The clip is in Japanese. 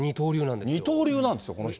二刀流なんですよ、この人。